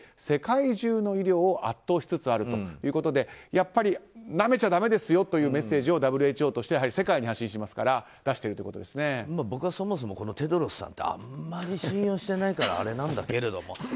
世界中の医療を圧倒しつつあるということでやっぱり、なめちゃだめですよというメッセージをＷＨＯとしては世界に発信していますから僕はそもそもテドロスさんってあんまり信用してないからあれなんだけれども。